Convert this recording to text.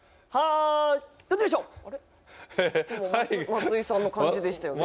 松井さんの感じでしたよね。